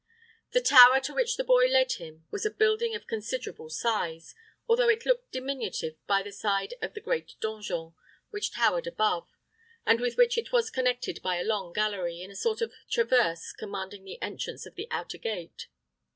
The tower to which the boy led him was a building of considerable size, although it looked diminutive by the side of the great donjon, which towered above, and with which it was connected by a long gallery, in a sort of traverse commanding the entrance of the outer gate.